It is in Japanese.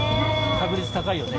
確率高いよね？